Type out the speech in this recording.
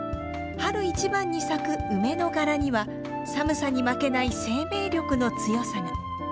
春一番に咲く梅の柄には寒さに負けない生命力の強さが。